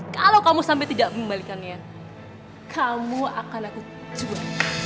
kalau kamu sampai tidak membalikannya kamu akan aku jual